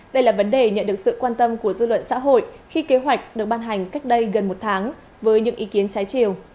đây là vấn đề nhận được sự quan tâm của dư luận xã hội khi kế hoạch được ban hành cách đây gần một tháng với những ý kiến trái chiều